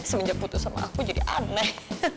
semenjak putus sama aku jadi aneh